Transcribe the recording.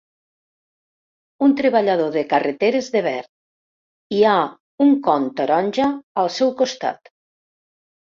Un treballador de carreteres de verd. Hi ha un con taronja al seu costat.